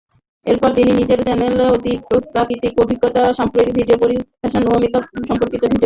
এরপর, তিনি নিজের চ্যানেল অতিপ্রাকৃত অভিজ্ঞতা সম্পর্কিত ভিডিওর পরিবর্তে ফ্যাশন ও মেক আপ সম্পর্কিত ভিডিও প্রকাশ করা শুরু করেন।